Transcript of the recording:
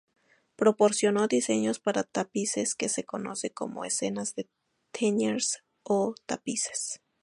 Proporcionó diseños para tapices que se conocen como "escenas de Teniers o tapices".